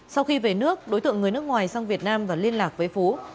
sau khi về nước đối tượng người nước ngoài sang việt nam và liên lạc với phú